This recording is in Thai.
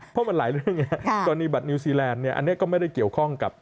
เพราะมันหลายเรื่องไงกรณีบัตรนิวซีแลนด์เนี่ยอันนี้ก็ไม่ได้เกี่ยวข้องกับ